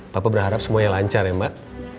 bapak berharap semuanya lancar ya mbak